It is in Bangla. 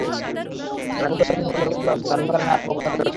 যাঁরা গুম রয়েছেন বলে অভিযোগ করা হচ্ছে, তাঁরা বিভিন্ন কারণে আত্মগোপনে রয়েছেন।